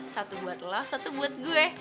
satu buat lo satu buat gue